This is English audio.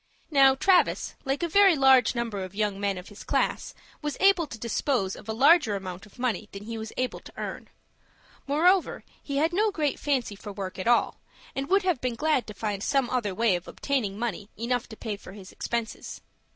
Now, Travis, like a very large number of young men of his class, was able to dispose of a larger amount of money than he was able to earn. Moreover, he had no great fancy for work at all, and would have been glad to find some other way of obtaining money enough to pay his expenses.